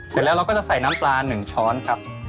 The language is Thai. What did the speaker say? เสร็จแล้วเราก็จะใส่น้ำปลา๑ช้อนครับ